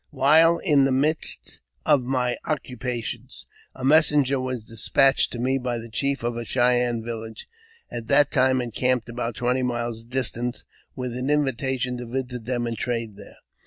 WHILE in the midst of my occupations, a messenger wai despatched to me by the chief of a Cheyenne village, ihat time encamped about twenty miles distant, with an invi tation to visit them and trade there.